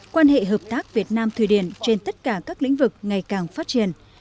quan hệ hợp tác việt nam thụy điển trên tất cả các lĩnh vực ngày càng phát triển